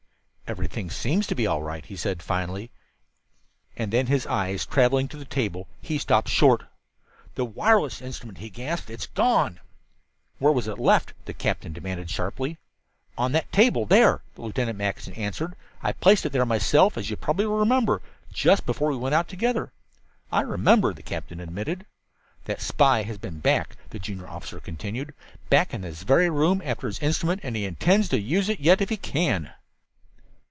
"Everything seems to be all right," he said finally; and then, his eyes traveling to the table, he stopped short. "The wireless instrument," he gasped. "It's gone!" "Where was it left?" the captain demanded sharply. "On that table there," Lieutenant Mackinson answered. "I placed it there myself, as you probably will remember, just before we went out together." "I remember," the captain admitted. "That spy has been back," the junior officer continued. "Back in this very room after his instrument, and he intends to use it yet if he can!"